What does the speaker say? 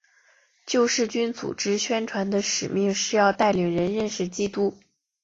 救世军组织宣传的使命是要带领人认识基督。